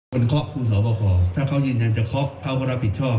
แล้วก็จะคุณสอบครถ้าเขายินจันจะคอบเพราะรับผิดชอบ